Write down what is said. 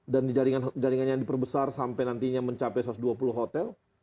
dan jaringannya diperbesar sampai nantinya mencapai satu ratus dua puluh hotel